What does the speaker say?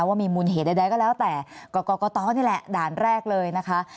ว่ามีมูลเหตุใดก็แล้วแต่กรกตนี่แหละด่านแรกเลยนะคะ